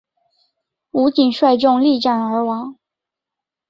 吴瑾率众力战而亡。